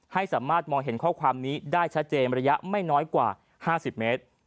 ให้สามารถมองเห็นข้อความนี้ได้ชัดเจนระยะไม่น้อยกว่า๕๐เมตร